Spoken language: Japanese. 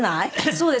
そうです。